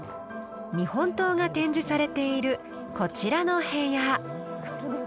日本刀が展示されているこちらの部屋。